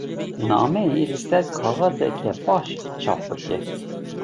Nameyê li ser kaxezeke baş çap bike.